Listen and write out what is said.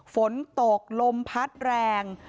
ฝนตกลมพัดแรง